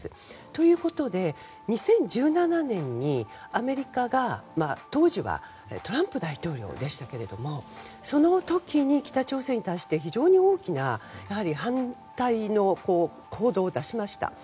ということで２０１７年にアメリカが当時は、トランプ大統領でしたがその時に北朝鮮に対して非常に大きな反対の行動を出しました。